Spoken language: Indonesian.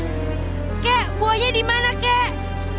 kakek buahnya dimana kakek